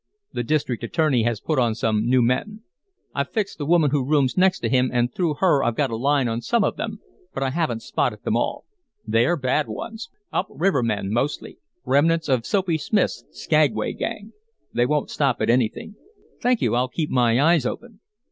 "The district attorney has put on some new men. I've fixed the woman who rooms next to him, and through her I've got a line on some of them, but I haven't spotted them all. They're bad ones 'up river' men mostly remnants of Soapy Smith's Skagway gang. They won't stop at anything." "Thank you I'll keep my eyes open."